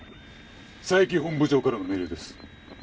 佐伯本部長からの命令です。